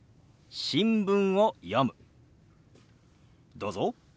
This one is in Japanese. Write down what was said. どうぞ。